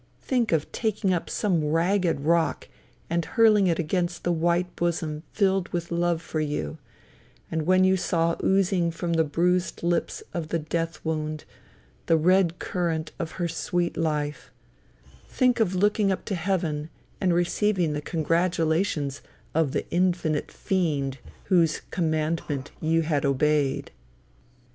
Think of taking up some ragged rock and hurling it against the white bosom filled with love for you; and when you saw oozing from the bruised lips of the death wound, the red current of her sweet life think of looking up to heaven and receiving the congratulations of the infinite fiend whose commandment you had obeyed!